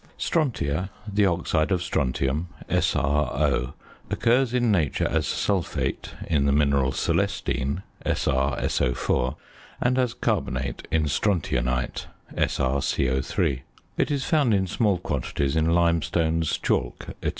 Strontia, the oxide of strontium (SrO), occurs in nature as sulphate, in the mineral celestine (SrSO_), and as carbonate in strontianite (SrCO_). It is found in small quantities in limestones, chalk, &c.